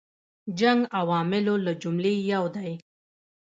جنګ عواملو له جملې یو دی.